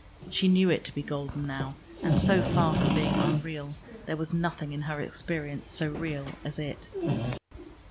She knew it to be golden now, and so far from being unreal, there was nothing in her experience so real as it.